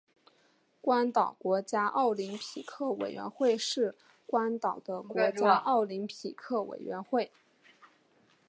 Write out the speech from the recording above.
关岛国家奥林匹克委员会是关岛的国家奥林匹克委员会。